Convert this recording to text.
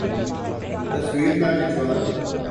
تصویر نہ کھنچوان